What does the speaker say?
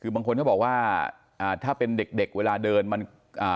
คือบางคนเขาบอกว่าอ่าถ้าเป็นเด็กเด็กเวลาเดินมันอ่า